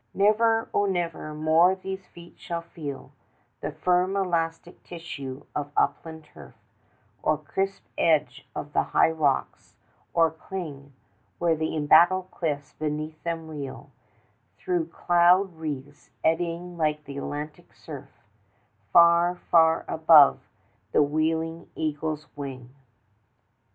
Never, oh never more these feet shall feel The firm elastic tissue of upland turf, 10 Or the crisp edge of the high rocks; or cling Where the embattled cliffs beneath them reel Through cloud wreaths eddying like the Atlantic surf, Far, far above the wheeling eagle's wing.